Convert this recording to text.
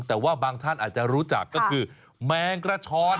แต่ว่าบางท่านอาจจะรู้จักก็คือแมงกระชอน